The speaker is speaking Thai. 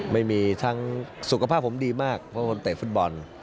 ไม่มีทั้งสุขภาพผมดีมากเพราะคนเตะฟุตบอล